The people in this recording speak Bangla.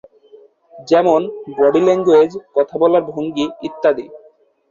যেমনঃ বডি ল্যাংগুয়েজ, কথা বলার ভঙ্গি ইত্যাদি।